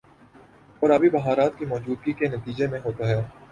اور آبی بخارات کی موجودگی کے نتیجے میں ہوتا ہے